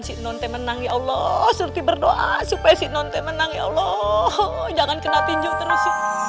si nonte menang ya allah seperti berdoa supaya si nonte menang ya allah jangan kena tinju terus